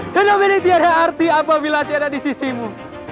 dan objeknya tidak ada arti apabila tidak ada di sisimu